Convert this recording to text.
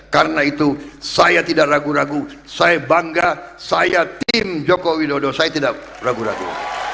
karena itu saya tidak ragu ragu saya bangga saya tim jokowi dodo saya tidak ragu ragu